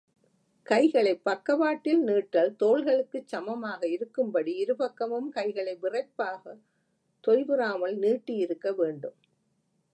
கைகளைப் பக்கவாட்டில் நீட்டல் தோள்களுக்குச் சமமாக இருக்கும்படி இருபக்கமும் கைகளை விறைப்பாகத தொய்வுறாமல் நீட்டியிருக்க வேண்டும்.